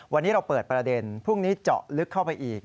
วันนี้เราเปิดประเด็นพรุ่งนี้เจาะลึกเข้าไปอีก